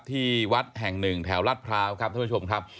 ที่วัดแห่งหนึ่งแถวรัฐพร้าวครับท่านผู้ชมครับ